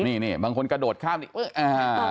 นี่บางคนกระโดดข้ามนี่อ่า